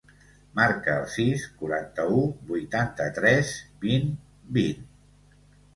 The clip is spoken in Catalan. Marca el sis, quaranta-u, vuitanta-tres, vint, vint.